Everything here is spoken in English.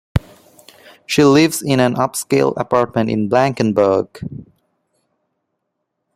She lives in an up-scale apartment in Blankenberge.